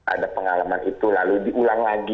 ada pengalaman itu lalu diulang lagi